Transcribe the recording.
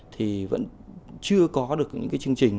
thì vẫn chưa có được những chương trình